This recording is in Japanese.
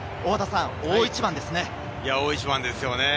大一番ですね。